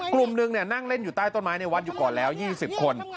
กลุ่มหนึ่งนั่งเล่นอยู่ใต้ต้นไม้ในวัดอยู่ก่อนแล้ว๒๐คน